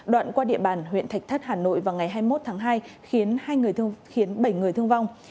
đoạn qua địa bàn huyện thạch thất hà nội vào ngày hai mươi một tháng hai khiến bảy người thương vong